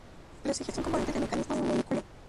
Los ejes son componentes del mecanismo de un vehículo.